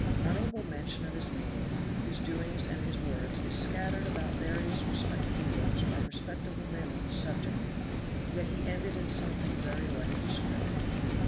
Honorable mention of his name, his doings and his words is scattered about various respectable works by respectable men on this subject, yet he ended in something very like discredit.